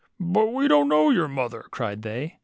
But we don't know your mother," cried they.